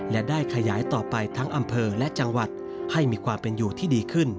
และได้ขยายต่อไปทั้งอำเภอและจังหวัดให้มีความเป็นอยู่ที่ดีขึ้น